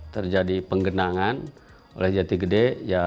terjadi penggenangan oleh jatigede